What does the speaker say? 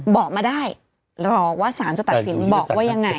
บอกมาได้รอว่าสารจะตัดสินบอกว่ายังไง